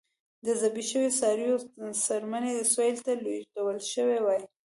د ذبح شویو څارویو څرمنې سویل ته لېږدول شوې وای.